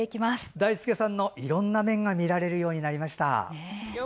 だいすけさんのいろんな面が見られるようになりました。